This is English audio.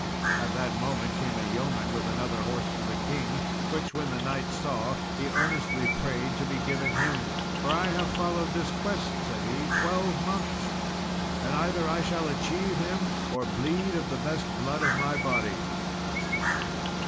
At that moment came a yeoman with another horse for the king, which, when the knight saw, he earnestly prayed to be given him. "For I have followed this quest," said he, "twelve months, and either I shall achieve him or bleed of the best blood of my body."